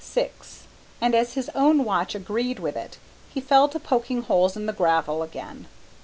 Six, and as his own watch agreed with it, he fell to poking holes in the gravel again.